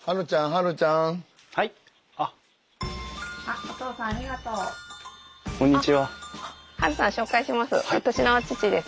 ハルさん紹介します。